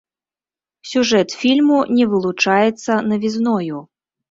Сюжэт фільму не вылучаецца навізною.